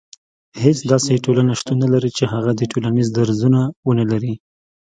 هيڅ داسي ټولنه شتون نه لري چي هغه دي ټولنيز درځونه ونلري